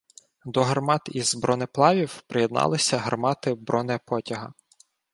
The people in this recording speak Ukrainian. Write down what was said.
До гармат із бронеплавів приєдналися гармати бронепотяга.